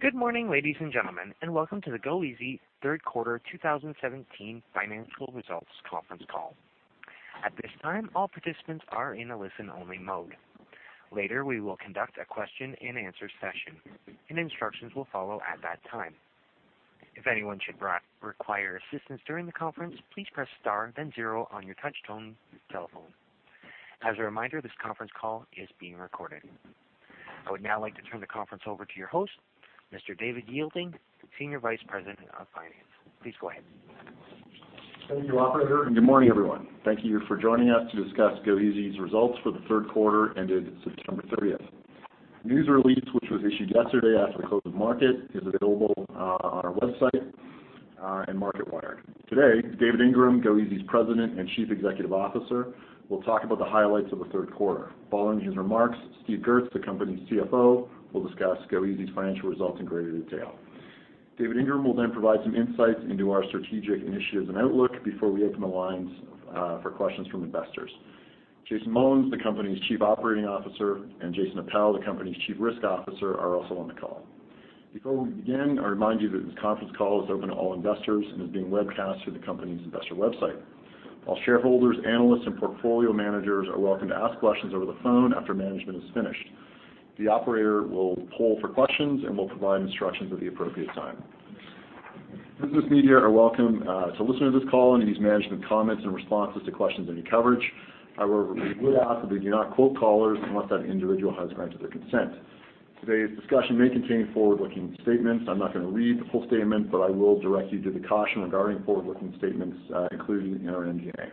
Good morning, ladies and gentlemen, and welcome to the goeasy's Third Quarter 2017 Financial Results Conference Call. At this time, all participants are in a listen-only mode. Later, we will conduct a question-and-answer session, and instructions will follow at that time. If anyone should require assistance during the conference, please press star then zero on your touchtone telephone. As a reminder, this conference call is being recorded. I would now like to turn the conference over to your host, Mr. David Yeilding, Senior Vice President of Finance. Please go ahead. Thank you, operator, and good morning, everyone. Thank you for joining us to discuss goeasy's results for the third quarter ended September 30th. News release, which was issued yesterday after the close of market, is available on our website and Marketwire. Today, David Ingram, goeasy's President and Chief Executive Officer, will talk about the highlights of the third quarter. Following his remarks, Steve Goertz, the company's CFO, will discuss goeasy's financial results in greater detail. David Ingram will then provide some insights into our strategic initiatives and outlook before we open the lines for questions from investors. Jason Mullins, the company's Chief Operating Officer, and Jason Appel, the company's Chief Risk Officer, are also on the call. Before we begin, I remind you that this conference call is open to all investors and is being webcast through the company's investor website. All shareholders, analysts, and portfolio managers are welcome to ask questions over the phone after management is finished. The operator will poll for questions and will provide instructions at the appropriate time. Business media are welcome to listen to this call and use management comments and responses to questions and coverage. However, we would ask that you do not quote callers unless that individual has granted their consent. Today's discussion may contain forward-looking statements. I'm not gonna read the full statement, but I will direct you to the caution regarding forward-looking statements included in our MD&A.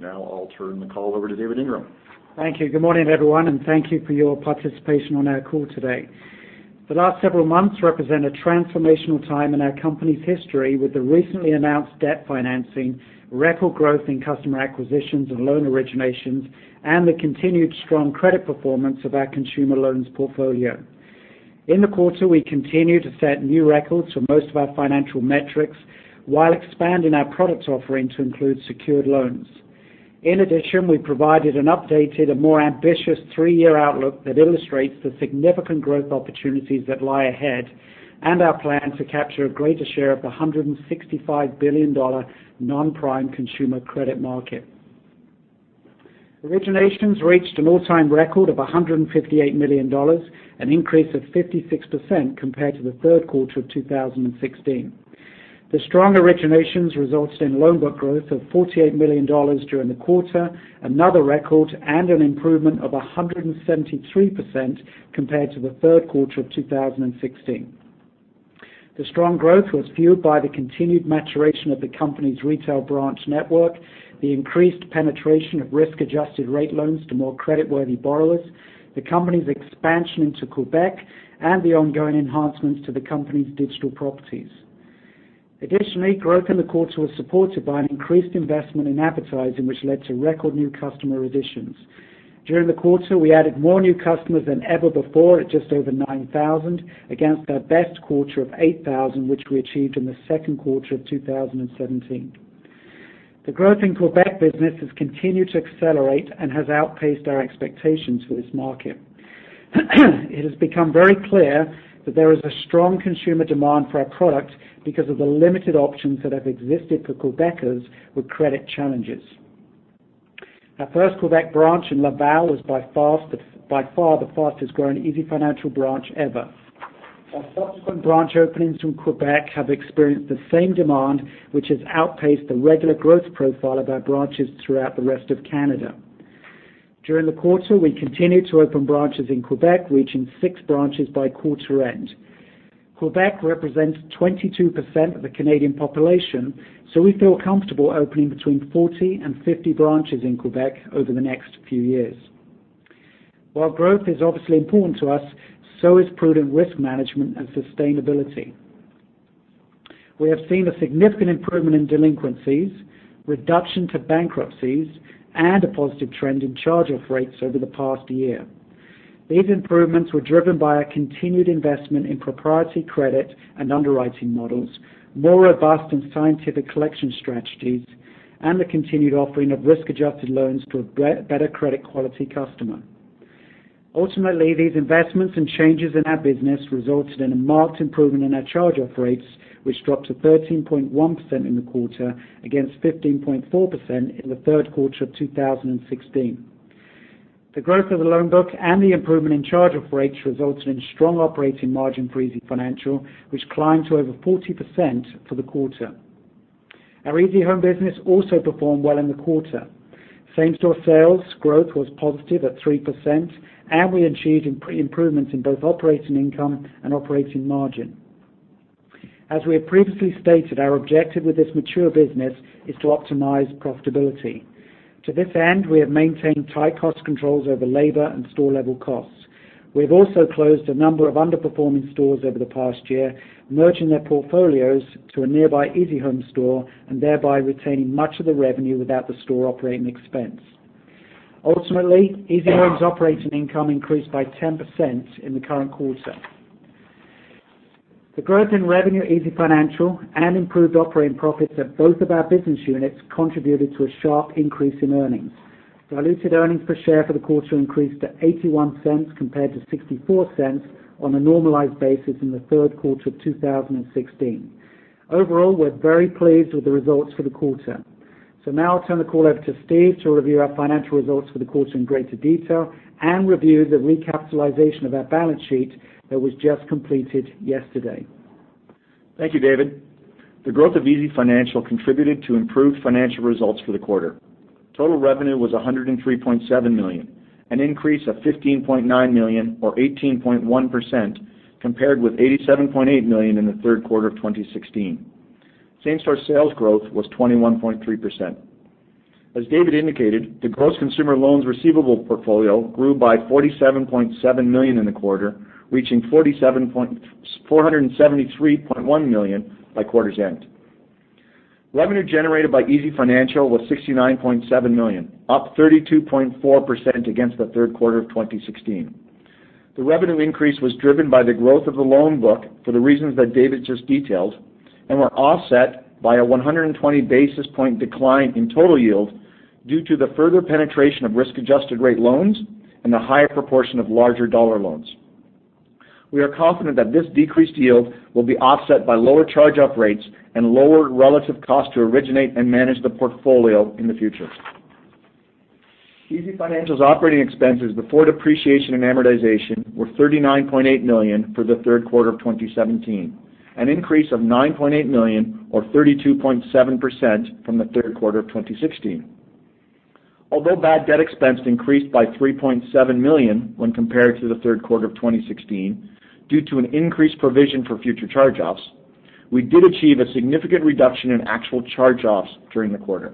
Now I'll turn the call over to David Ingram. Thank you. Good morning, everyone, and thank you for your participation on our call today. The last several months represent a transformational time in our company's history, with the recently announced debt financing, record growth in customer acquisitions and loan originations, and the continued strong credit performance of our consumer loans portfolio. In the quarter, we continued to set new records for most of our financial metrics while expanding our product offering to include secured loans. In addition, we provided an updated and more ambitious three-year outlook that illustrates the significant growth opportunities that lie ahead and our plan to capture a greater share of the 165 billion dollar non-prime consumer credit market. Originations reached an all-time record of 158 million dollars, an increase of 56% compared to the third quarter of 2016. The strong originations resulted in loan book growth of 48 million dollars during the quarter, another record, and an improvement of 173% compared to the third quarter of 2016. The strong growth was fueled by the continued maturation of the company's retail branch network, the increased penetration of risk-adjusted rate loans to more creditworthy borrowers, the company's expansion into Quebec, and the ongoing enhancements to the company's digital properties. Additionally, growth in the quarter was supported by an increased investment in advertising, which led to record new customer additions. During the quarter, we added more new customers than ever before at just over 9,000, against our best quarter of 8,000, which we achieved in the second quarter of 2017. The growth in Quebec business has continued to accelerate and has outpaced our expectations for this market. It has become very clear that there is a strong consumer demand for our product because of the limited options that have existed for Quebecers with credit challenges. Our first Quebec branch in Laval was by far the fastest-growing easyfinancial branch ever. Our subsequent branch openings in Quebec have experienced the same demand, which has outpaced the regular growth profile of our branches throughout the rest of Canada. During the quarter, we continued to open branches in Quebec, reaching six branches by quarter end. Quebec represents 22% of the Canadian population, so we feel comfortable opening between 40 and 50 branches in Quebec over the next few years. While growth is obviously important to us, so is prudent risk management and sustainability. We have seen a significant improvement in delinquencies, reduction to bankruptcies, and a positive trend in charge-off rates over the past year. These improvements were driven by a continued investment in proprietary credit and underwriting models, more robust and scientific collection strategies, and the continued offering of risk-adjusted loans to a better credit-quality customer. Ultimately, these investments and changes in our business resulted in a marked improvement in our charge-off rates, which dropped to 13.1% in the quarter against 15.4% in the third quarter of 2016. The growth of the loan book and the improvement in charge-off rates resulted in strong operating margin for easyfinancial, which climbed to over 40% for the quarter. Our easyhome business also performed well in the quarter. Same-store sales growth was positive at 3%, and we achieved improvements in both operating income and operating margin. As we have previously stated, our objective with this mature business is to optimize profitability. To this end, we have maintained tight cost controls over labor and store-level costs. We have also closed a number of underperforming stores over the past year, merging their portfolios to a nearby easyhome store and thereby retaining much of the revenue without the store operating expense. Ultimately, Easyhome's operating income increased by 10% in the current quarter. The growth in revenue, easyfinancial, and improved operating profits at both of our business units contributed to a sharp increase in earnings. Diluted earnings per share for the quarter increased to 0.81 compared to 0.64 on a normalized basis in the third quarter of 2016. Overall, we're very pleased with the results for the quarter. So now I'll turn the call over to Steve to review our financial results for the quarter in greater detail and review the recapitalization of our balance sheet that was just completed yesterday. Thank you, David. The growth of easyfinancial contributed to improved financial results for the quarter. Total revenue was 103.7 million, an increase of 15.9 million, or 18.1%, compared with 87.8 million in the third quarter of 2016. Same-store sales growth was 21.3%. As David indicated, the gross consumer loans receivable portfolio grew by 47.7 million in the quarter, reaching 473.1 million by quarter's end. Revenue generated by easyfinancial was 69.7 million, up 32.4% against the third quarter of 2016. The revenue increase was driven by the growth of the loan book for the reasons that David just detailed, and were offset by a 120 basis points decline in total yield due to the further penetration of risk-adjusted rate loans and a higher proportion of larger dollar loans. We are confident that this decreased yield will be offset by lower charge-off rates and lower relative cost to originate and manage the portfolio in the future. easyfinancial's operating expenses before depreciation and amortization were 39.8 million for the third quarter of 2017, an increase of 9.8 million or 32.7% from the third quarter of 2016. Although bad debt expense increased by 3.7 million when compared to the third quarter of 2016 due to an increased provision for future charge-offs, we did achieve a significant reduction in actual charge-offs during the quarter.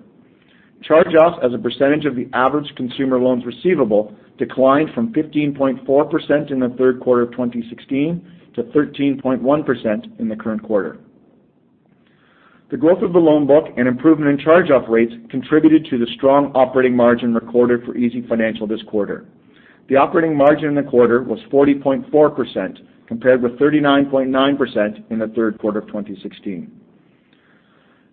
Charge-offs as a percentage of the average consumer loans receivable declined from 15.4% in the third quarter of 2016 to 13.1% in the current quarter. The growth of the loan book and improvement in charge-off rates contributed to the strong operating margin recorded for easyfinancial this quarter. The operating margin in the quarter was 40.4%, compared with 39.9% in the third quarter of 2016.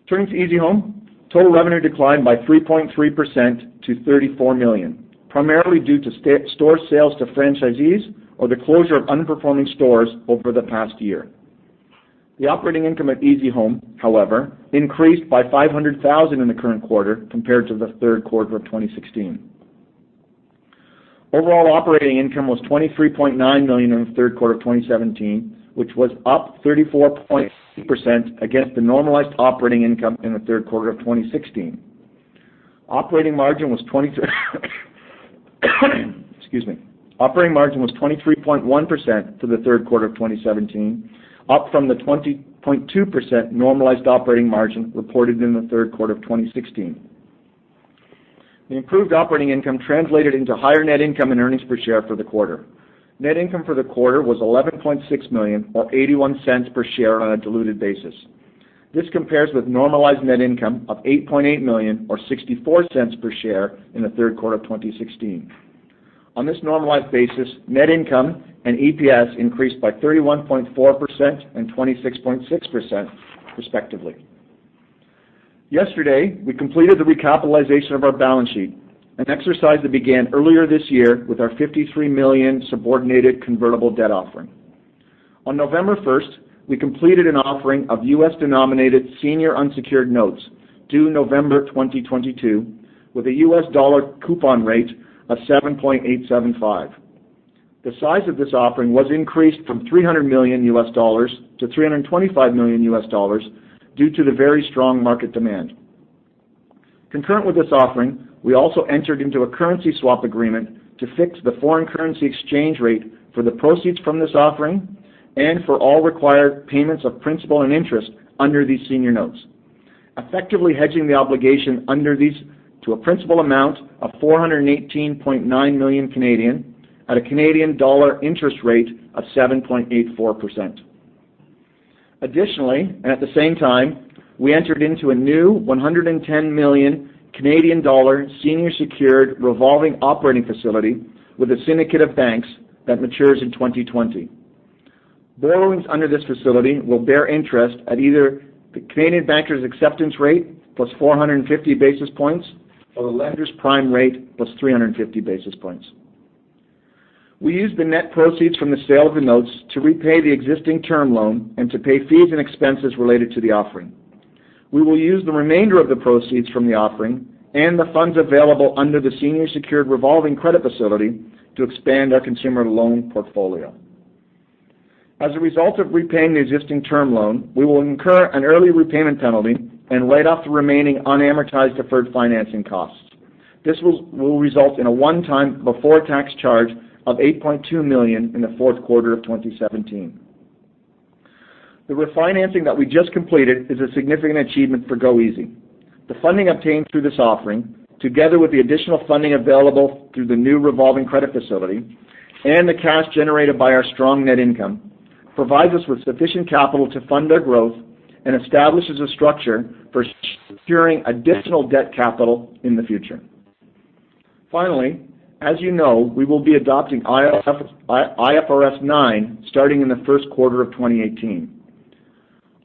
Turning to easyhome, total revenue declined by 3.3% to 34 million, primarily due to store sales to franchisees or the closure of underperforming stores over the past year. The operating income at easyhome, however, increased by 500,000 in the current quarter compared to the third quarter of 2016. Overall operating income was 23.9 million in the third quarter of 2017, which was up 34% against the normalized operating income in the third quarter of 2016. Operating margin was 22%- Excuse me. Operating margin was 23.1% for the third quarter of 2017, up from the 20.2% normalized operating margin reported in the third quarter of 2016. The improved operating income translated into higher net income and earnings per share for the quarter. Net income for the quarter was 11.6 million, or 0.81 per share on a diluted basis. This compares with normalized net income of 8.8 million or $0.64 per share in the third quarter of 2016. On this normalized basis, net income and EPS increased by 31.4% and 26.6% respectively. Yesterday, we completed the recapitalization of our balance sheet, an exercise that began earlier this year with our 53 million subordinated convertible debt offering. On November 1, we completed an offering of US-denominated senior unsecured notes due November 2022, with a US dollar coupon rate of 7.875%. The size of this offering was increased from $300 million to $325 million due to the very strong market demand. Concurrent with this offering, we also entered into a currency swap agreement to fix the foreign currency exchange rate for the proceeds from this offering and for all required payments of principal and interest under these senior notes, effectively hedging the obligation under these to a principal amount of CAD interest rate of 7.84%. Additionally, and at the same time, we entered into a new 110 million Canadian dollar senior secured revolving operating facility with a syndicate of banks that matures in 2020. Borrowings under this facility will bear interest at either the Canadian Bankers' Acceptance rate plus 450 basis points or the lender's prime rate plus 350 basis points. We used the net proceeds from the sale of the notes to repay the existing term loan and to pay fees and expenses related to the offering. We will use the remainder of the proceeds from the offering and the funds available under the senior secured revolving credit facility to expand our consumer loan portfolio. As a result of repaying the existing term loan, we will incur an early repayment penalty and write off the remaining unamortized deferred financing costs. This will result in a one-time before-tax charge of $8.2 million in the fourth quarter of 2017. The refinancing that we just completed is a significant achievement for goeasy. The funding obtained through this offering, together with the additional funding available through the new revolving credit facility and the cash generated by our strong net income, provides us with sufficient capital to fund our growth and establishes a structure for securing additional debt capital in the future. Finally, as you know, we will be adopting IFRS 9 starting in the first quarter of 2018.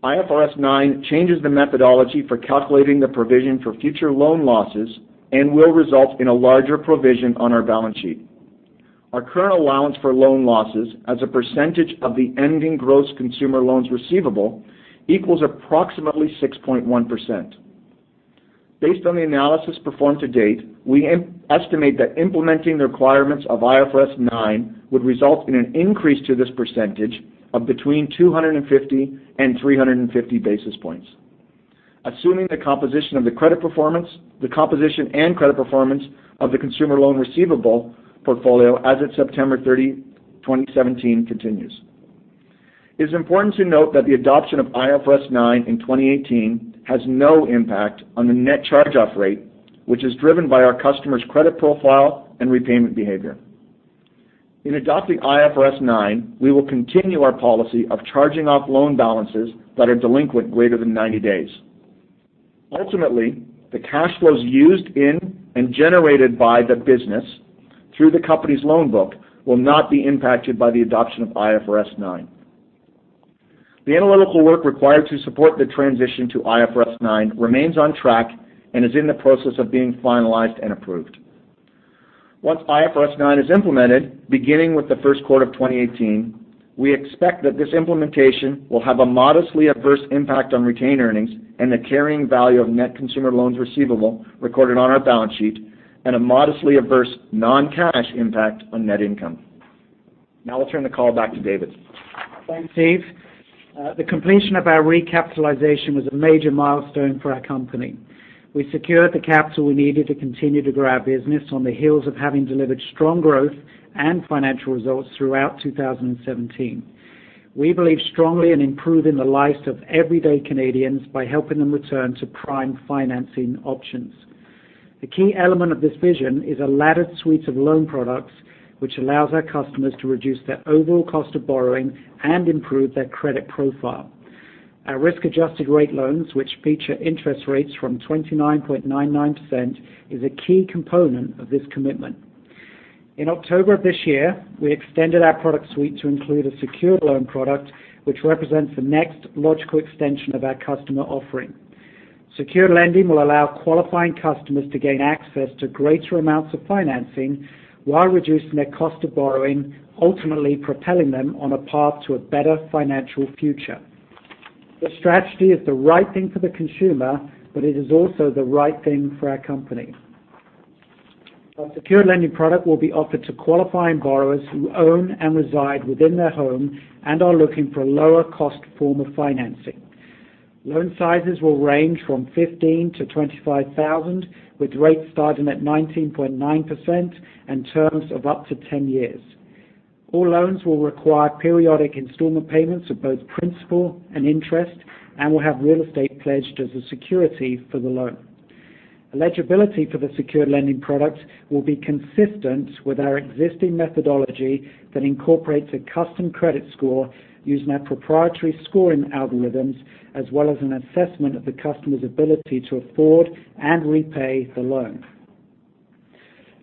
IFRS 9 changes the methodology for calculating the provision for future loan losses and will result in a larger provision on our balance sheet. Our current allowance for loan losses, as a percentage of the ending gross consumer loans receivable, equals approximately 6.1%.Based on the analysis performed to date, we estimate that implementing the requirements of IFRS 9 would result in an increase to this percentage of between 250 and 350 basis points, assuming the composition and credit performance of the consumer loan receivable portfolio as of September 30, 2017, continues. It's important to note that the adoption of IFRS 9 in 2018 has no impact on the net charge-off rate, which is driven by our customers' credit profile and repayment behavior. In adopting IFRS 9, we will continue our policy of charging off loan balances that are delinquent greater than 90 days. Ultimately, the cash flows used in and generated by the business through the company's loan book will not be impacted by the adoption of IFRS 9. The analytical work required to support the transition to IFRS 9 remains on track and is in the process of being finalized and approved. Once IFRS 9 is implemented, beginning with the first quarter of 2018, we expect that this implementation will have a modestly adverse impact on retained earnings and the carrying value of net consumer loans receivable recorded on our balance sheet, and a modestly adverse non-cash impact on net income. Now I'll turn the call back to David. Thanks, Steve. The completion of our recapitalization was a major milestone for our company. We secured the capital we needed to continue to grow our business on the heels of having delivered strong growth and financial results throughout 2017. We believe strongly in improving the lives of everyday Canadians by helping them return to prime financing options. The key element of this vision is a laddered suite of loan products, which allows our customers to reduce their overall cost of borrowing and improve their credit profile. Our risk-adjusted rate loans, which feature interest rates from 29.99%, is a key component of this commitment. In October of this year, we extended our product suite to include a secured loan product, which represents the next logical extension of our customer offering. Secured lending will allow qualifying customers to gain access to greater amounts of financing while reducing their cost of borrowing, ultimately propelling them on a path to a better financial future. This strategy is the right thing for the consumer, but it is also the right thing for our company. Our secured lending product will be offered to qualifying borrowers who own and reside within their home and are looking for a lower-cost form of financing. Loan sizes will range from 15,000-25,000, with rates starting at 19.9% and terms of up to 10 years. All loans will require periodic installment payments of both principal and interest and will have real estate pledged as a security for the loan. Eligibility for the secured lending product will be consistent with our existing methodology that incorporates a custom credit score using our proprietary scoring algorithms, as well as an assessment of the customer's ability to afford and repay the loan.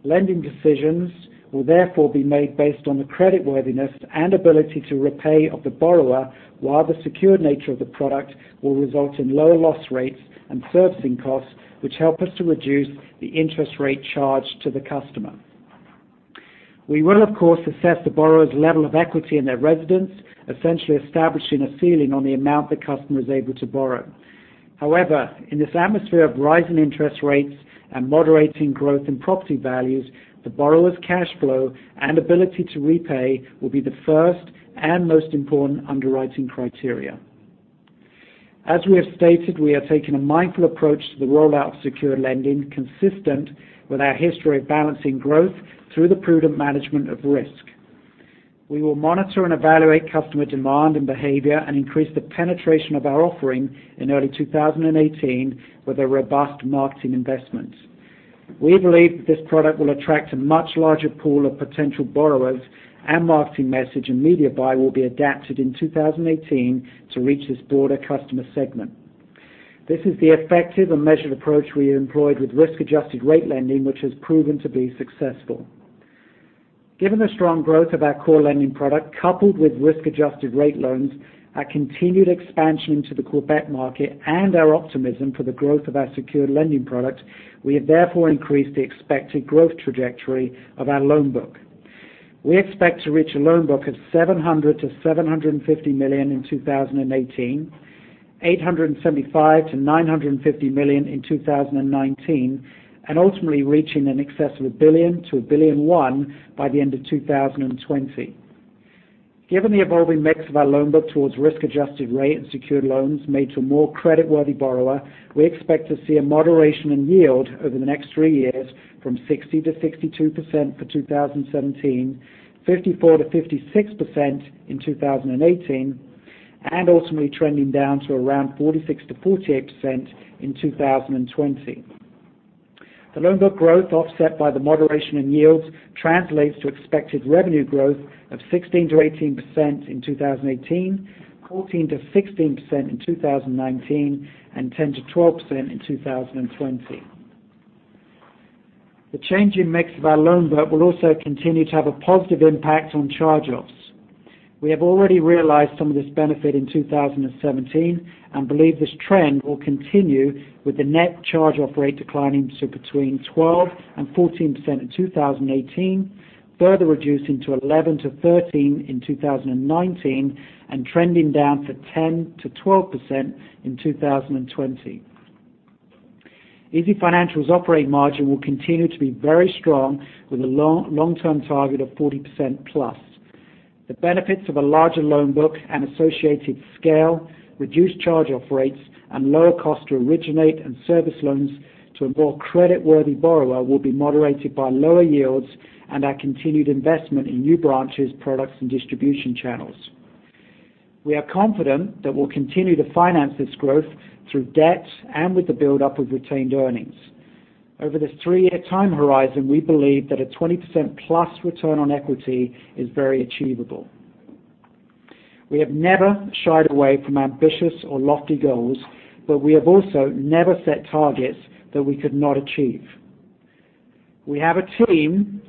Lending decisions will therefore be made based on the creditworthiness and ability to repay of the borrower, while the secured nature of the product will result in lower loss rates and servicing costs, which help us to reduce the interest rate charged to the customer. We will, of course, assess the borrower's level of equity in their residence, essentially establishing a ceiling on the amount the customer is able to borrow. However, in this atmosphere of rising interest rates and moderating growth in property values, the borrower's cash flow and ability to repay will be the first and most important underwriting criteria. As we have stated, we are taking a mindful approach to the rollout of secured lending, consistent with our history of balancing growth through the prudent management of risk. We will monitor and evaluate customer demand and behavior and increase the penetration of our offering in early 2018 with a robust marketing investment. We believe that this product will attract a much larger pool of potential borrowers, and marketing message and media buy will be adapted in 2018 to reach this broader customer segment. This is the effective and measured approach we employed with risk-adjusted rate lending, which has proven to be successful. Given the strong growth of our core lending product, coupled with risk-adjusted rate loans, our continued expansion into the Quebec market, and our optimism for the growth of our secured lending product, we have therefore increased the expected growth trajectory of our loan book. We expect to reach a loan book of 700 million-750 million in 2018, 875 million-950 million in 2019, and ultimately reaching in excess of 1 billion-1.1 billion by the end of 2020. Given the evolving mix of our loan book towards risk-adjusted rate and secured loans made to a more creditworthy borrower, we expect to see a moderation in yield over the next three years from 60%-62% for 2017, 54%-56% in 2018, and ultimately trending down to around 46%-48% in 2020. The loan book growth, offset by the moderation in yields, translates to expected revenue growth of 16%-18% in 2018, 14%-16% in 2019, and 10%-12% in 2020. The change in mix of our loan book will also continue to have a positive impact on charge-offs. We have already realized some of this benefit in two thousand and seventeen, and believe this trend will continue with the net charge-off rate declining to between 12% and 14% in 2018, further reducing to 11%-13% in 2019, and trending down to 10%-12% in 2020. easyfinancial's operating margin will continue to be very strong, with a long, long-term target of 40% plus. The benefits of a larger loan book and associated scale, reduced charge-off rates, and lower cost to originate and service loans to a more creditworthy borrower will be moderated by lower yields and our continued investment in new branches, products, and distribution channels. We are confident that we'll continue to finance this growth through debt and with the buildup of retained earnings. Over this three-year time horizon, we believe that a 20% plus return on equity is very achievable. We have never shied away from ambitious or lofty goals, but we have also never set targets that we could not achieve. We have a team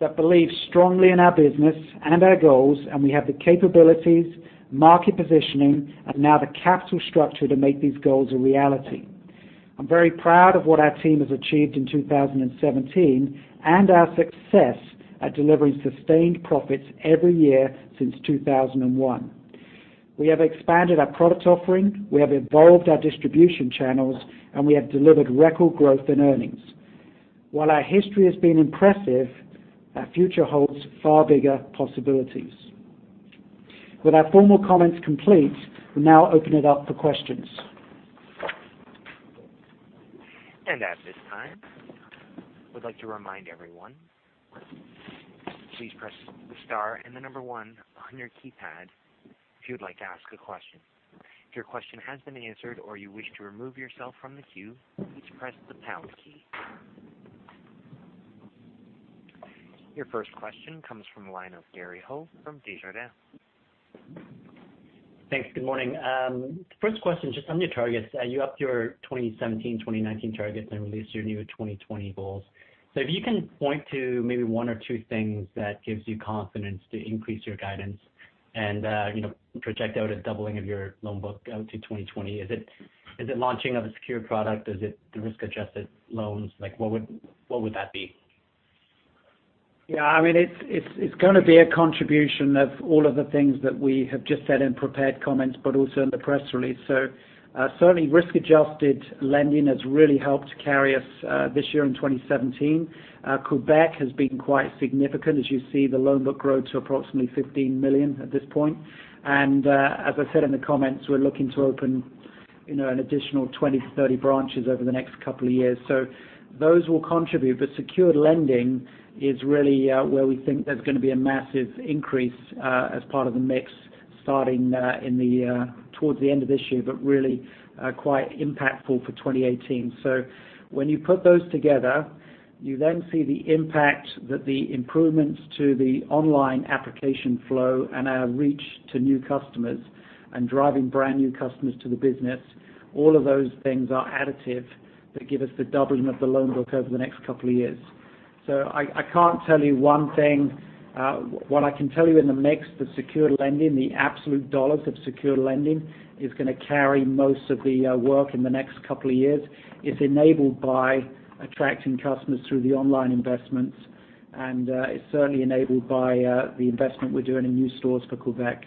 that believes strongly in our business and our goals, and we have the capabilities, market positioning, and now the capital structure to make these goals a reality. I'm very proud of what our team has achieved in 2017, and our success at delivering sustained profits every year since 2001. We have expanded our product offering, we have evolved our distribution channels, and we have delivered record growth in earnings. While our history has been impressive, our future holds far bigger possibilities. With our formal comments complete, we'll now open it up for questions. And at this time, I would like to remind everyone, please press the star and the number one on your keypad if you'd like to ask a question. If your question has been answered or you wish to remove yourself from the queue, please press the pound key. Your first question comes from the line of Gary Ho from Desjardins. Thanks. Good morning. First question, just on your targets. You upped your 2017, 2019 targets and released your new 2020 goals. So if you can point to maybe one or two things that gives you confidence to increase your guidance and, you know, project out a doubling of your loan book out to 2020. Is it launching of a secured product? Is it the risk-adjusted loans? Like, what would that be? Yeah, I mean, it's gonna be a contribution of all of the things that we have just said in prepared comments, but also in the press release. So, certainly, risk-adjusted lending has really helped carry us this year in 2017. Quebec has been quite significant. As you see, the loan book grow to approximately 15 million at this point, and as I said in the comments, we're looking to open, you know, an additional 20-30 branches over the next couple of years, so those will contribute, but secured lending is really where we think there's gonna be a massive increase as part of the mix, starting in the towards the end of this year, but really quite impactful for 2018. So when you put those together, you then see the impact that the improvements to the online application flow and our reach to new customers and driving brand new customers to the business, all of those things are additive, that give us the doubling of the loan book over the next couple of years. So I can't tell you one thing. What I can tell you in the mix, the secured lending, the absolute dollars of secured lending is gonna carry most of the work in the next couple of years. It's enabled by attracting customers through the online investments, and it's certainly enabled by the investment we're doing in new stores for Quebec.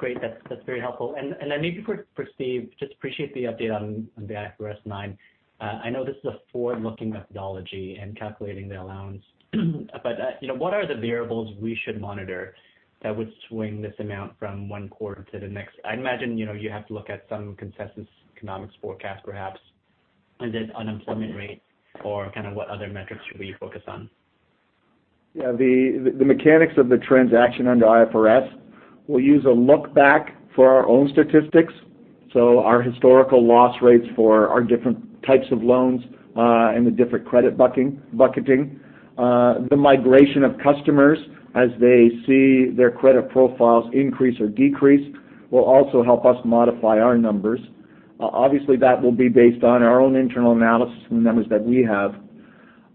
Great. That's very helpful. And then maybe for Steve, just appreciate the update on the IFRS 9. I know this is a forward-looking methodology in calculating the allowance, but you know, what are the variables we should monitor that would swing this amount from one quarter to the next? I imagine, you know, you have to look at some consensus economics forecast, perhaps. Is it unemployment rate, or kind of what other metrics should we focus on? Yeah, the mechanics of the transaction under IFRS. We'll use a look back for our own statistics. So our historical loss rates for our different types of loans, and the different credit bucketing. The migration of customers as they see their credit profiles increase or decrease will also help us modify our numbers. Obviously, that will be based on our own internal analysis and the numbers that we have.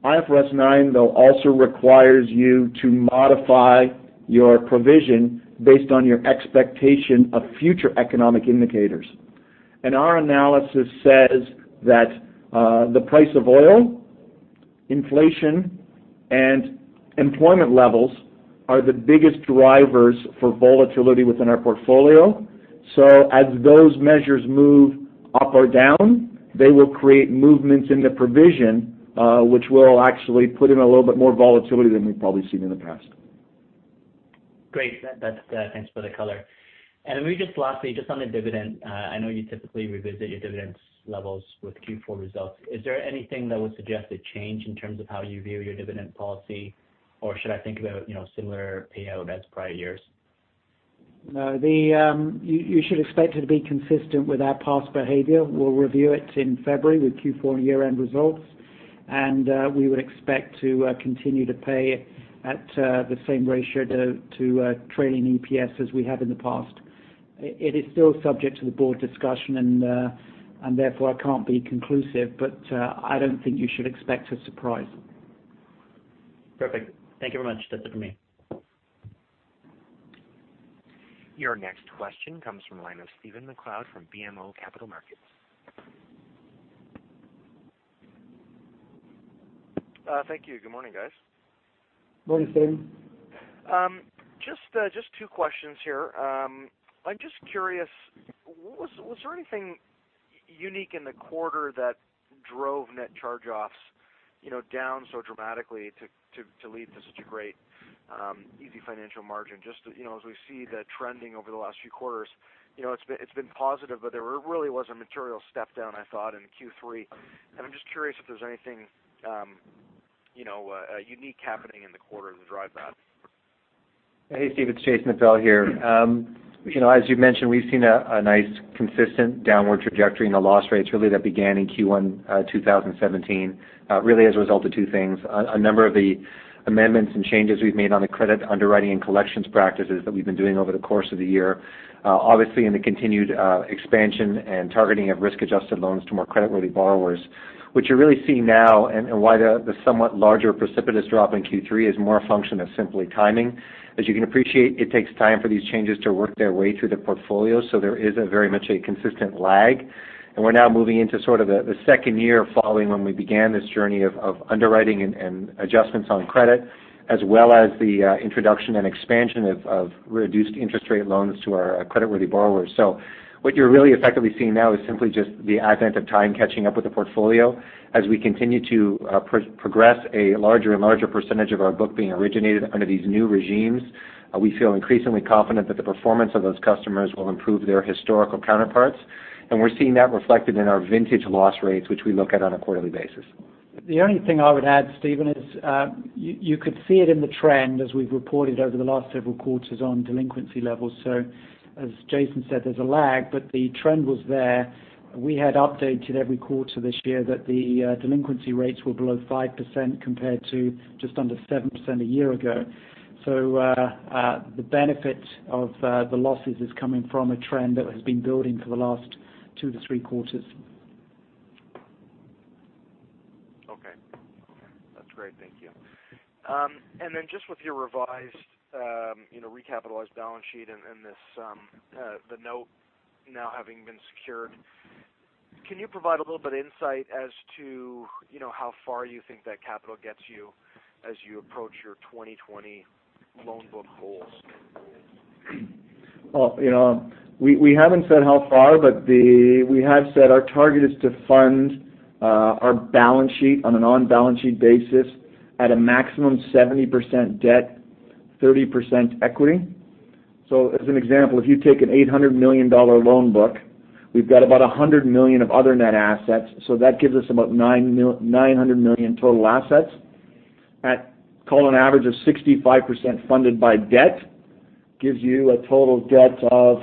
IFRS 9, though, also requires you to modify your provision based on your expectation of future economic indicators. And our analysis says that the price of oil, inflation, and employment levels are the biggest drivers for volatility within our portfolio. So as those measures move up or down, they will create movements in the provision, which will actually put in a little bit more volatility than we've probably seen in the past. Great. That's. Thanks for the color. And maybe just lastly, just on the dividend. I know you typically revisit your dividends levels with Q4 results. Is there anything that would suggest a change in terms of how you view your dividend policy, or should I think about, you know, similar payout as prior years? No. You should expect it to be consistent with our past behavior. We'll review it in February with Q4 and year-end results, and we would expect to continue to pay at the same ratio to trading EPS as we have in the past... It is still subject to the board discussion and therefore, I can't be conclusive, but I don't think you should expect a surprise. Perfect. Thank you very much. That's it for me. Your next question comes from the line of Stephen MacLeod from BMO Capital Markets. Thank you. Good morning, guys. Morning, Stephen. Just two questions here. I'm just curious, was there anything unique in the quarter that drove net charge-offs, you know, down so dramatically to lead to such a great easyfinancial margin? Just, you know, as we see the trending over the last few quarters, you know, it's been positive, but there really was a material step down, I thought, in Q3. And I'm just curious if there's anything, you know, unique happening in the quarter to drive that? Hey, Steve, it's Jason Appel here. You know, as you've mentioned, we've seen a nice, consistent downward trajectory in the loss rates, really, that began in Q1 2017, really as a result of two things. A number of the amendments and changes we've made on the credit underwriting and collections practices that we've been doing over the course of the year. Obviously, in the continued expansion and targeting of risk-adjusted loans to more creditworthy borrowers. What you really see now and why the somewhat larger precipitous drop in Q3 is more a function of simply timing. As you can appreciate, it takes time for these changes to work their way through the portfolio, so there is very much a consistent lag. We're now moving into sort of the second year following when we began this journey of underwriting and adjustments on credit, as well as the introduction and expansion of reduced interest rate loans to our creditworthy borrowers. What you're really effectively seeing now is simply just the advent of time catching up with the portfolio. As we continue to progress a larger and larger percentage of our book being originated under these new regimes, we feel increasingly confident that the performance of those customers will improve their historical counterparts. We're seeing that reflected in our vintage loss rates, which we look at on a quarterly basis. The only thing I would add, Stephen, is you could see it in the trend as we've reported over the last several quarters on delinquency levels. So as Jason said, there's a lag, but the trend was there. We had updated every quarter this year that the delinquency rates were below 5% compared to just under 7% a year ago. So the benefit of the losses is coming from a trend that has been building for the last two to three quarters. Okay. That's great. Thank you. And then just with your revised, you know, recapitalized balance sheet and this, the note now having been secured, can you provide a little bit of insight as to, you know, how far you think that capital gets you as you approach your 2020 loan book goals? You know, we haven't said how far, but we have said our target is to fund our balance sheet on an on-balance sheet basis at a maximum 70% debt, 30% equity. So as an example, if you take a 800 million dollar loan book, we've got about 100 million of other net assets, so that gives us about 900 million total assets. At, call it an average of 65% funded by debt, gives you a total debt of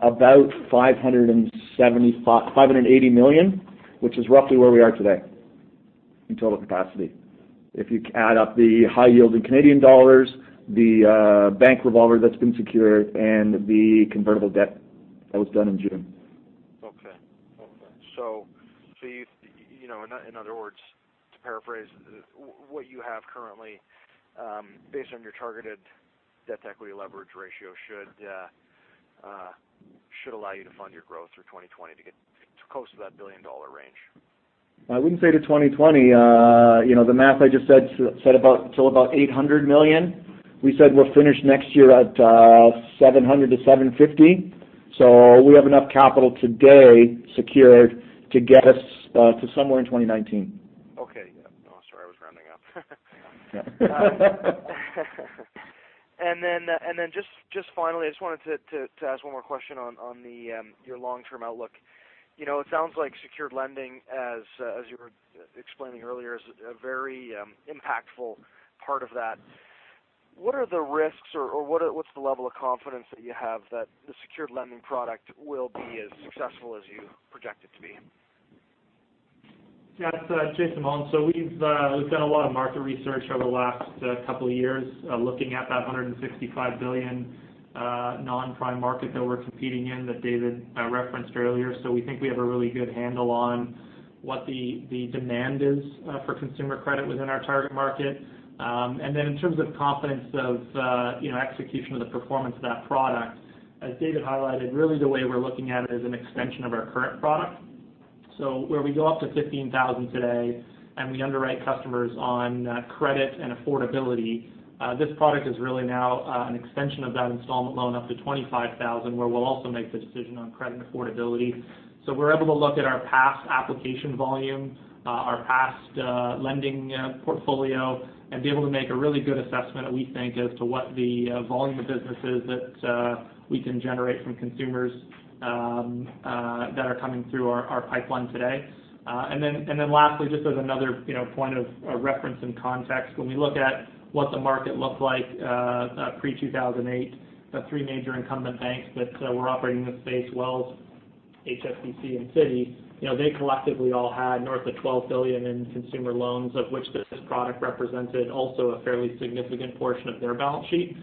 about 575 million-580 million, which is roughly where we are today in total capacity. If you add up the high yield in Canadian dollars, the bank revolver that's been secured, and the convertible debt that was done in June. Okay. So you know, in other words, to paraphrase, what you have currently, based on your targeted debt equity leverage ratio, should allow you to fund your growth through 2020 to get close to that billion-dollar range? I wouldn't say to 2020. You know, the math I just said said about to about 800 million. We said we're finished next year at 700 million-750 million. So we have enough capital today secured to get us to somewhere in 2019. Okay. Yeah. Oh, sorry, I was rounding up. And then just finally, I just wanted to ask one more question on your long-term outlook. You know, it sounds like secured lending, as you were explaining earlier, is a very impactful part of that. What are the risks or what's the level of confidence that you have that the secured lending product will be as successful as you project it to be? Yeah, it's Jason Mullins, so we've done a lot of market research over the last couple of years looking at that 165 billion non-prime market that we're competing in, that David referenced earlier, so we think we have a really good handle on what the demand is for consumer credit within our target market, and then in terms of confidence of you know execution of the performance of that product. As David highlighted, really the way we're looking at it is an extension of our current product, so where we go up to 15,000 today, and we underwrite customers on credit and affordability, this product is really now an extension of that installment loan up to 25,000, where we'll also make the decision on credit and affordability. We're able to look at our past application volume, our past lending portfolio, and be able to make a really good assessment, we think, as to what the volume of business that we can generate from consumers that are coming through our pipeline today. Lastly, just as another, you know, point of reference and context, when we look at what the market looked like pre-2008, the three major incumbent banks that were operating in the space, Wells Fargo, HSBC and Citi, you know, they collectively all had north of 12 billion in consumer loans, of which this product represented also a fairly significant portion of their balance sheet.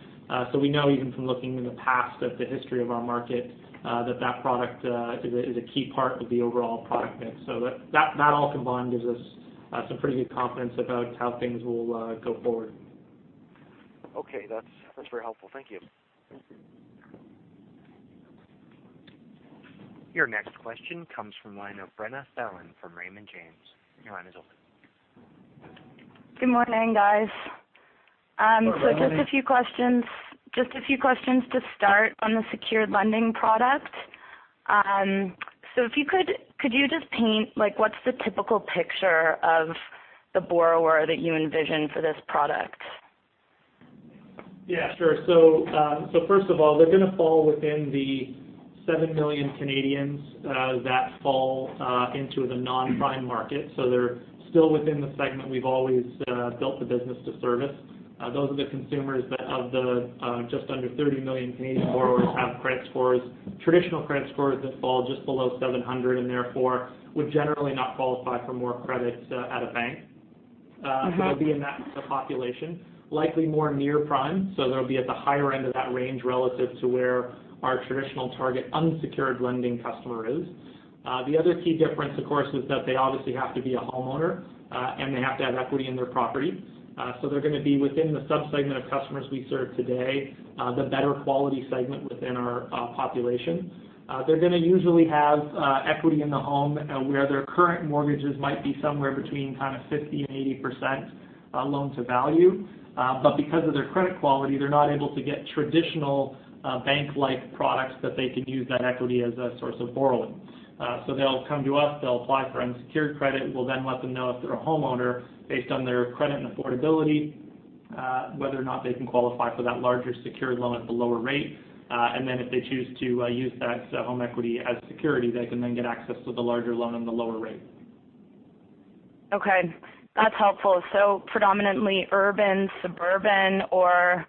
So we know, even from looking in the past, at the history of our market, that product is a key part of the overall product mix. So that all combined gives us some pretty good confidence about how things will go forward. Okay. That's, that's very helpful. Thank you. Your next question comes from the line of Brenna Sellon from Raymond James. Your line is open. Good morning, guys. Good morning. So just a few questions, just a few questions to start on the secured lending product. So if you could, could you just paint, like, what's the typical picture of the borrower that you envision for this product? Yeah, sure. So first of all, they're gonna fall within the seven million Canadians that fall into the non-prime market. So they're still within the segment we've always built the business to service. Those are the consumers that of the just under 30 million Canadian borrowers have credit scores, traditional credit scores, that fall just below seven hundred, and therefore would generally not qualify for more credit at a bank. Mm-hmm. They'll be in that population, likely more near prime, so they'll be at the higher end of that range relative to where our traditional target unsecured lending customer is. The other key difference, of course, is that they obviously have to be a homeowner, and they have to have equity in their property, so they're gonna be within the sub-segment of customers we serve today, the better quality segment within our population. They're gonna usually have equity in the home, where their current mortgages might be somewhere between kind of 50%-80% loan-to-value, but because of their credit quality, they're not able to get traditional bank-like products that they can use that equity as a source of borrowing, so they'll come to us, they'll apply for unsecured credit. We'll then let them know if they're a homeowner, based on their credit and affordability, whether or not they can qualify for that larger secured loan at the lower rate, and then if they choose to, use that home equity as security, they can then get access to the larger loan and the lower rate. Okay, that's helpful. So predominantly urban, suburban, or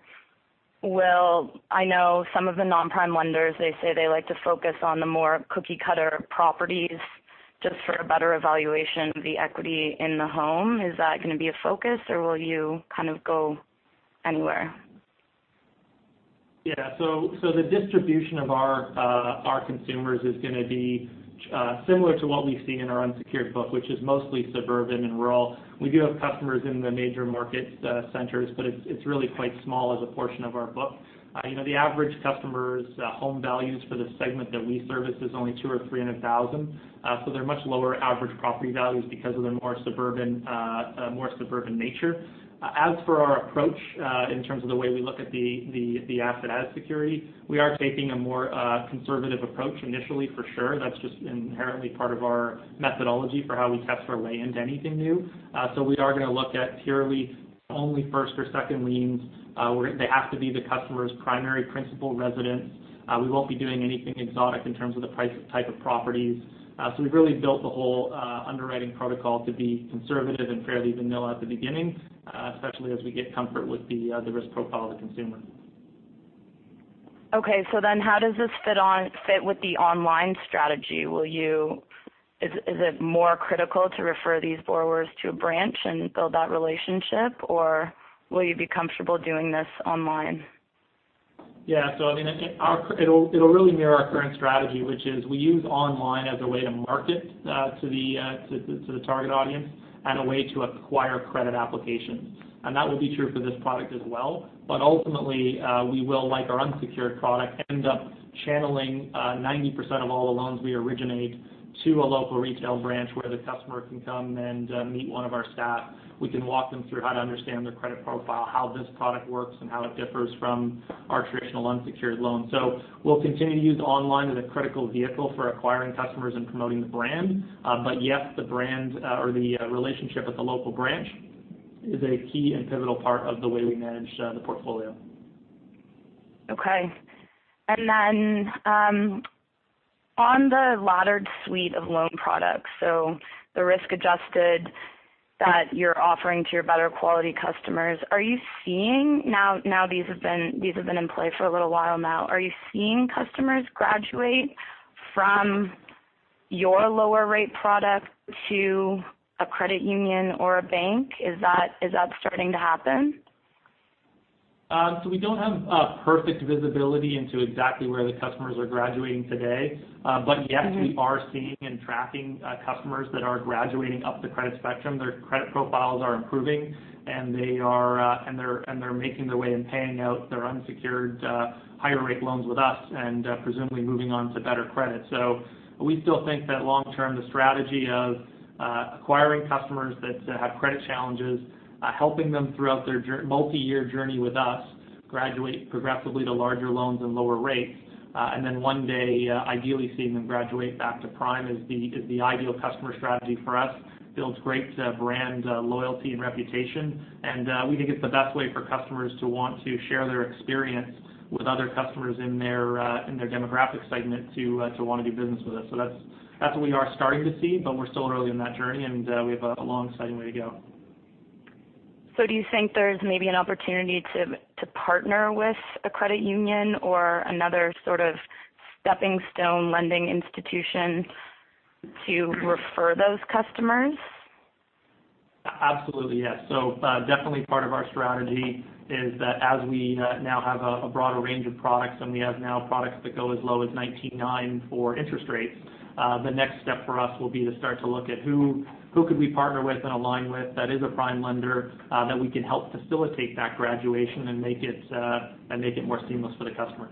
will... I know some of the non-prime lenders, they say they like to focus on the more cookie-cutter properties just for a better evaluation of the equity in the home. Is that gonna be a focus, or will you kind of go anywhere? Yeah. So the distribution of our consumers is gonna be similar to what we see in our unsecured book, which is mostly suburban and rural. We do have customers in the major market centers, but it's really quite small as a portion of our book. You know, the average customer's home values for the segment that we service is only two or three hundred thousand. So they're much lower average property values because of their more suburban nature. As for our approach, in terms of the way we look at the asset as security, we are taking a more conservative approach initially, for sure. That's just inherently part of our methodology for how we test our way into anything new. So we are gonna look at purely only first or second liens. Where they have to be the customer's primary principal residence. We won't be doing anything exotic in terms of the price type of properties. So we've really built the whole, underwriting protocol to be conservative and fairly vanilla at the beginning, especially as we get comfort with the risk profile of the consumer. Okay. So then how does this fit with the online strategy? Is it more critical to refer these borrowers to a branch and build that relationship, or will you be comfortable doing this online? Yeah. So I mean, it'll really mirror our current strategy, which is we use online as a way to market to the target audience and a way to acquire credit applications. And that will be true for this product as well. But ultimately, we will, like our unsecured product, end up channeling 90% of all the loans we originate to a local retail branch, where the customer can come and meet one of our staff. We can walk them through how to understand their credit profile, how this product works, and how it differs from our traditional unsecured loan. So we'll continue to use online as a critical vehicle for acquiring customers and promoting the brand. But yes, the brand or the relationship with the local branch is a key and pivotal part of the way we manage the portfolio. Okay. And then, on the laddered suite of loan products, so the risk-adjusted that you're offering to your better quality customers, are you seeing... Now, these have been in play for a little while now. Are you seeing customers graduate from your lower rate product to a credit union or a bank? Is that starting to happen? So we don't have perfect visibility into exactly where the customers are graduating today. But yes- Mm-hmm. We are seeing and tracking customers that are graduating up the credit spectrum. Their credit profiles are improving, and they are, and they're making their way and paying out their unsecured higher rate loans with us and, presumably moving on to better credit. So we still think that long term, the strategy of acquiring customers that have credit challenges, helping them throughout their multiyear journey with us, graduate progressively to larger loans and lower rates, and then one day, ideally seeing them graduate back to prime, is the ideal customer strategy for us. Builds great brand loyalty and reputation. And we think it's the best way for customers to want to share their experience with other customers in their demographic segment to want to do business with us. So that's, that's what we are starting to see, but we're still early in that journey, and we have a long, exciting way to go. ... So do you think there's maybe an opportunity to, to partner with a credit union or another sort of stepping stone lending institution to refer those customers? Absolutely, yes. So, definitely part of our strategy is that as we now have a broader range of products, and we have now products that go as low as 19.9% for interest rates, the next step for us will be to start to look at who could we partner with and align with that is a prime lender, that we can help facilitate that graduation and make it and make it more seamless for the customer.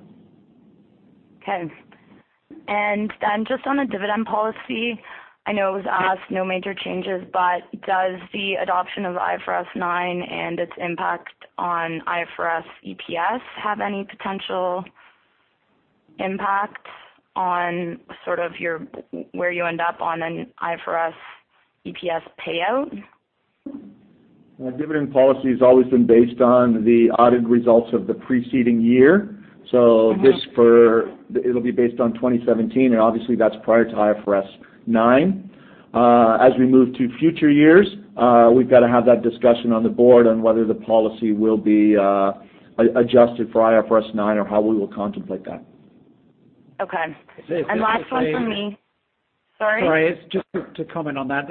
Okay. And then just on the dividend policy, I know it was asked no major changes, but does the adoption of IFRS 9 and its impact on IFRS EPS have any potential impact on sort of your where you end up on an IFRS EPS payout? Dividend policy has always been based on the audited results of the preceding year. Uh-huh. So this for it'll be based on 2017, and obviously, that's prior to IFRS 9. As we move to future years, we've got to have that discussion on the board on whether the policy will be adjusted for IFRS 9 or how we will contemplate that. Okay. If I- Last one from me. Sorry? Sorry, just to comment on that.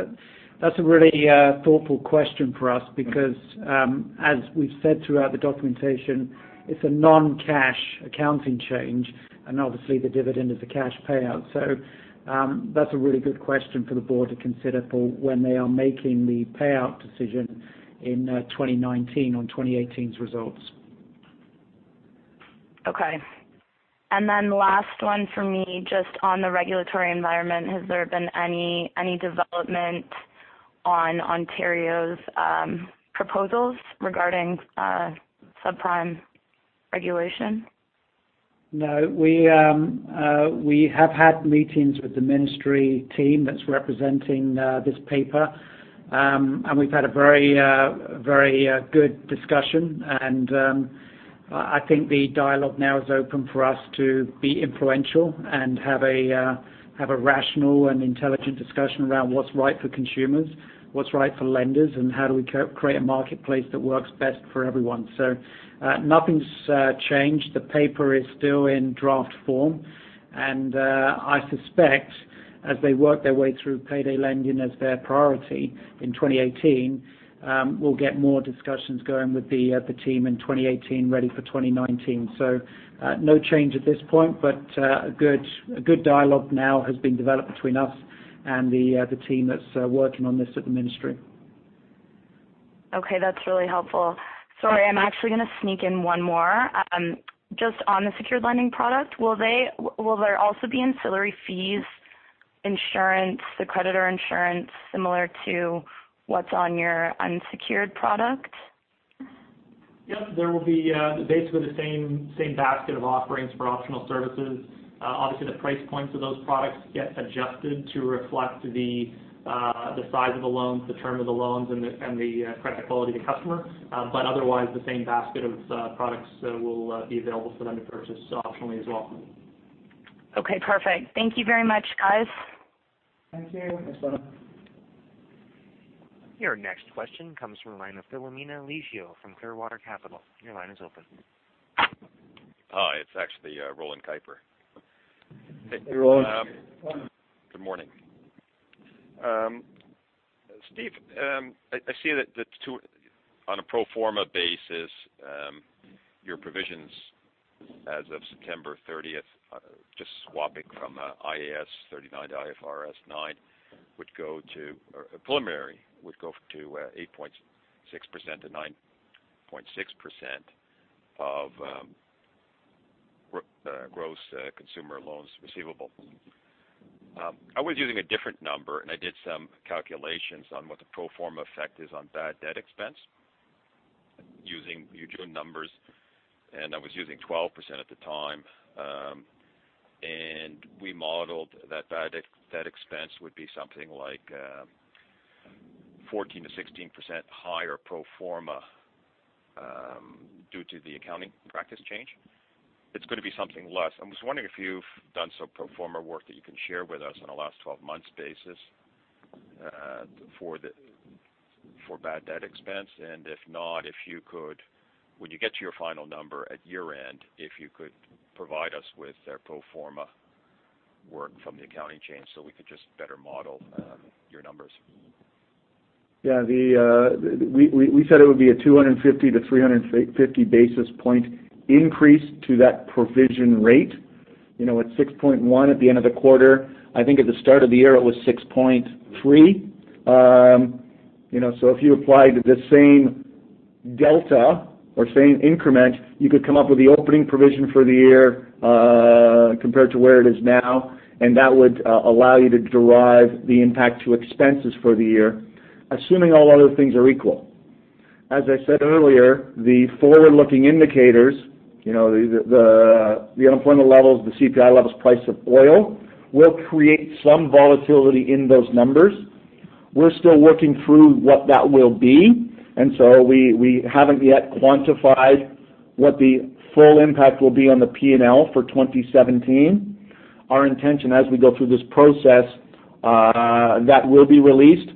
That's a really thoughtful question for us because, as we've said throughout the documentation, it's a non-cash accounting change, and obviously, the dividend is a cash payout. So, that's a really good question for the board to consider for when they are making the payout decision in 2019 on 2018's results. Okay. And then last one for me, just on the regulatory environment. Has there been any development on Ontario's proposals regarding subprime regulation? No, we have had meetings with the ministry team that's representing this paper. And we've had a very, very good discussion, and I think the dialogue now is open for us to be influential and have a rational and intelligent discussion around what's right for consumers, what's right for lenders, and how do we create a marketplace that works best for everyone. So nothing's changed. The paper is still in draft form, and I suspect as they work their way through payday lending as their priority in 2018, we'll get more discussions going with the team in 2018, ready for 2019.So, no change at this point, but a good dialogue now has been developed between us and the team that's working on this at the ministry. Okay, that's really helpful. Sorry, I'm actually gonna sneak in one more. Just on the secured lending product, will there also be ancillary fees, insurance, the creditor insurance, similar to what's on your unsecured product? Yep. There will be basically the same basket of offerings for optional services. Obviously, the price points of those products get adjusted to reflect the size of the loans, the term of the loans, and the credit quality of the customer. But otherwise, the same basket of products will be available for them to purchase optionally as well. Okay, perfect. Thank you very much, guys. Thank you. Thanks, Lana. Your next question comes from the line of Filomena Liggio from Clearwater Capital. Your line is open. Hi, it's actually Roland Keiper. Hey, Roland. Um- Welcome. Good morning. Steve, I see that. On a pro forma basis, your provisions as of September thirtieth, just swapping from IAS 39 to IFRS 9, would go to, or preliminary, would go to, 8.6%-9.6% of gross consumer loans receivable. I was using a different number, and I did some calculations on what the pro forma effect is on bad debt expense using your June numbers, and I was using 12% at the time. And we modeled that bad debt expense would be something like, 14%-16% higher pro forma, due to the accounting practice change. It's going to be something less. I'm just wondering if you've done some pro forma work that you can share with us on a last twelve months basis, for the, for bad debt expense. And if not, if you could, when you get to your final number at year-end, if you could provide us with the pro forma work from the accounting change, so we could just better model, your numbers. Yeah, we said it would be a 250-350 basis point increase to that provision rate. You know, at 6.1 at the end of the quarter. I think at the start of the year, it was 6.3. You know, so if you applied the same delta or same increment, you could come up with the opening provision for the year, compared to where it is now, and that would allow you to derive the impact to expenses for the year, assuming all other things are equal. As I said earlier, the forward-looking indicators, you know, the unemployment levels, the CPI levels, price of oil, will create some volatility in those numbers. We're still working through what that will be, and so we haven't yet quantified what the full impact will be on the P&L for 2017. Our intention as we go through this process, that will be released,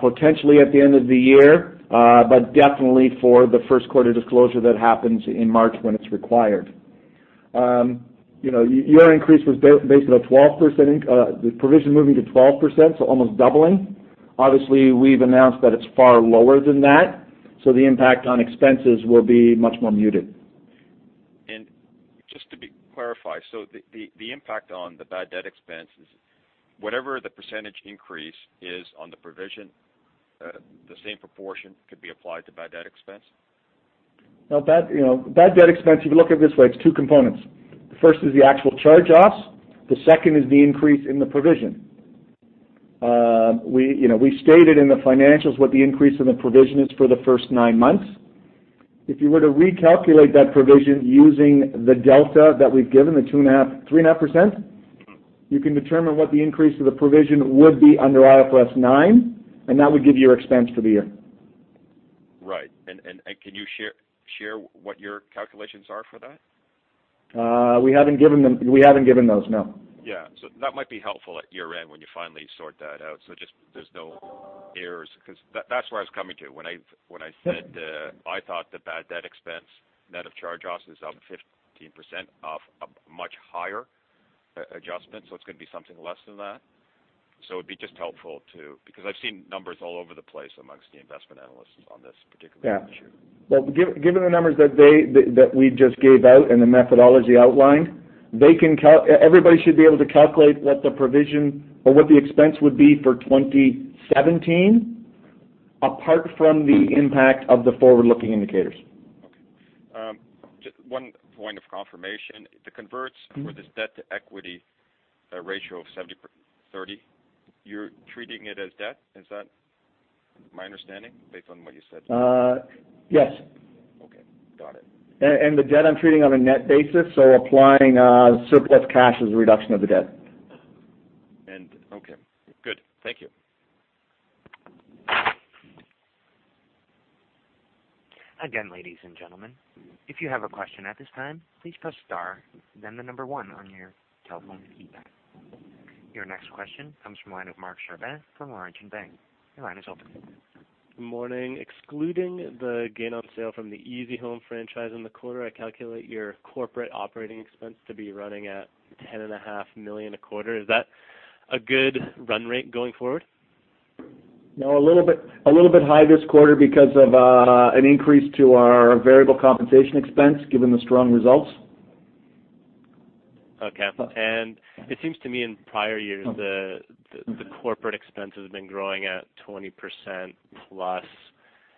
potentially at the end of the year, but definitely for the first quarter disclosure that happens in March when it's required. You know, your increase was based on a 12%, the provision moving to 12%, so almost doubling. Obviously, we've announced that it's far lower than that, so the impact on expenses will be much more muted. Just to clarify, so the impact on the bad debt expense is whatever the percentage increase is on the provision, the same proportion could be applied to bad debt expense? No, you know, bad debt expense, if you look at it this way, it's two components. The first is the actual charge-offs, the second is the increase in the provision. We, you know, stated in the financials what the increase in the provision is for the first nine months. If you were to recalculate that provision using the delta that we've given, the 2.5%-3.5%, you can determine what the increase to the provision would be under IFRS 9, and that would give you your expense for the year. Right. And can you share what your calculations are for that? We haven't given them... We haven't given those, no. Yeah. So that might be helpful at year-end when you finally sort that out. So just there's no errors, because that - that's where I was coming to when I, when I said, I thought the bad debt expense, net of charge-offs, is up 15% off a much higher adjustment. So it's gonna be something less than that. So it'd be just helpful to... Because I've seen numbers all over the place amongst the investment analysts on this particular issue. Yeah. Well, given the numbers that we just gave out and the methodology outlined, everybody should be able to calculate what the provision or what the expense would be for 2017, apart from the impact of the forward-looking indicators. Okay. Just one point of confirmation. The converts- Mm-hmm. For this debt-to-equity ratio of 70%-30%, you're treating it as debt? Is that my understanding based on what you said? Uh, yes. Okay, got it. The debt I'm treating on a net basis, so applying surplus cash as a reduction of the debt. Okay, good. Thank you. Again, ladies and gentlemen, if you have a question at this time, please press star, then the number one on your telephone keypad. Your next question comes from the line of Mark Charbonneau from Mawer Investment Management. Your line is open. Good morning. Excluding the gain on sale from the easyhome franchise in the quarter, I calculate your corporate operating expense to be running at 10.5 million a quarter. Is that a good run rate going forward? No, a little bit, a little bit high this quarter because of an increase to our variable compensation expense, given the strong results. Okay. And it seems to me, in prior years, the corporate expense has been growing at 20% plus.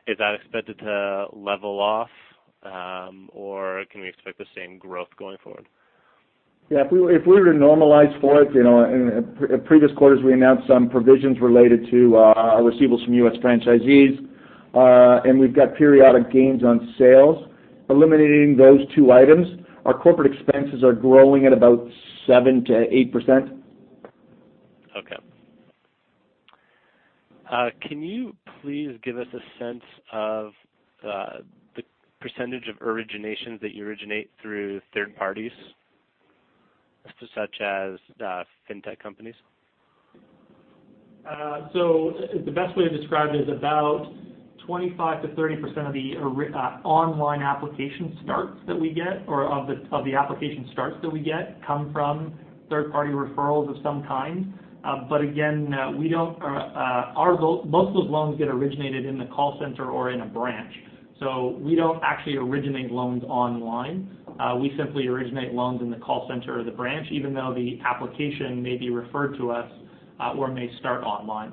Is that expected to level off, or can we expect the same growth going forward? Yeah, if we were, if we were to normalize for it, you know, in previous quarters, we announced some provisions related to our receivables from US franchisees, and we've got periodic gains on sales. Eliminating those two items, our corporate expenses are growing at about 7%-8%. Okay. Can you please give us a sense of the percentage of originations that you originate through third parties, such as fintech companies? So the best way to describe it is about 25%-30% of the online application starts that we get or of the application starts that we get come from third-party referrals of some kind. But again, most of those loans get originated in the call center or in a branch. So we don't actually originate loans online. We simply originate loans in the call center or the branch, even though the application may be referred to us or may start online.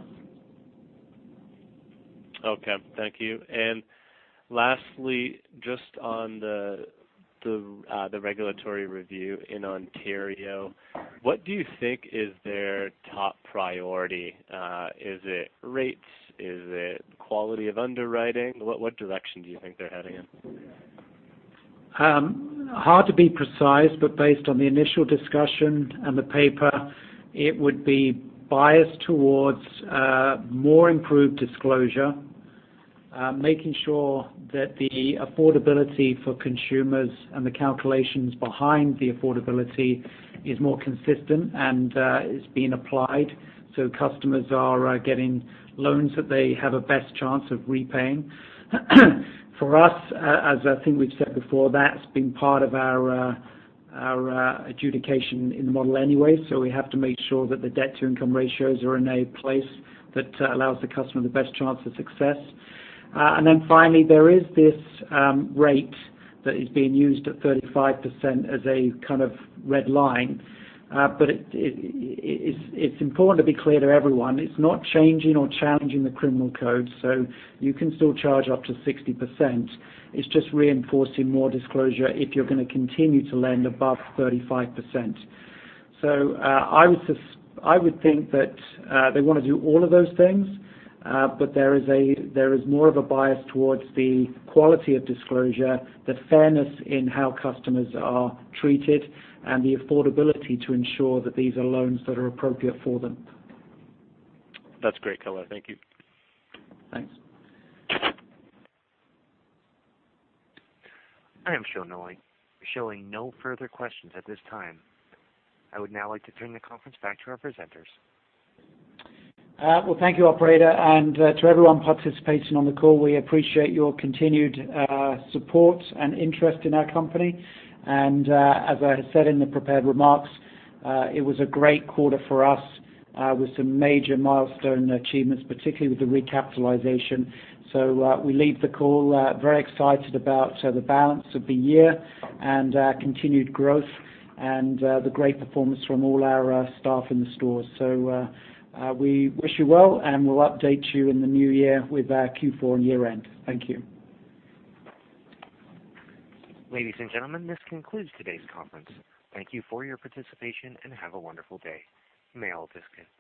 Okay, thank you. And lastly, just on the regulatory review in Ontario, what do you think is their top priority? Is it rates? Is it quality of underwriting? What direction do you think they're heading in? Hard to be precise, but based on the initial discussion and the paper, it would be biased towards more improved disclosure. Making sure that the affordability for consumers and the calculations behind the affordability is more consistent and is being applied, so customers are getting loans that they have a best chance of repaying. For us, as I think we've said before, that's been part of our adjudication in the model anyway, so we have to make sure that the debt-to-income ratios are in a place that allows the customer the best chance of success, and then finally there is this rate that is being used at 35% as a kind of red line. But it's important to be clear to everyone, it's not changing or challenging the Criminal Code, so you can still charge up to 60%. It's just reinforcing more disclosure if you're gonna continue to lend above 35%. So, I would think that they wanna do all of those things, but there is more of a bias towards the quality of disclosure, the fairness in how customers are treated, and the affordability to ensure that these are loans that are appropriate for them. That's great, color. Thank you. Thanks. I am showing no further questions at this time. I would now like to turn the conference back to our presenters. Well, thank you, operator. And to everyone participating on the call, we appreciate your continued support and interest in our company. And as I said in the prepared remarks, it was a great quarter for us with some major milestone achievements, particularly with the recapitalization. So we leave the call very excited about the balance of the year and continued growth and the great performance from all our staff in the stores. So we wish you well, and we'll update you in the new year with our Q4 and year-end. Thank you. Ladies and gentlemen, this concludes today's conference. Thank you for your participation, and have a wonderful day. You may all disconnect.